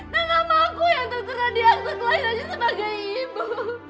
nama namaku yang terkena diangkat lain aja sebagai ibu